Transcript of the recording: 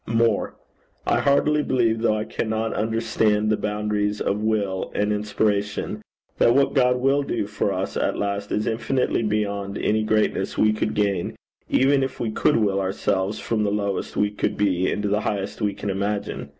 More: I heartily believe, though I cannot understand the boundaries of will and inspiration, that what God will do for us at last is infinitely beyond any greatness we could gain, even if we could will ourselves from the lowest we could be, into the highest we can imagine.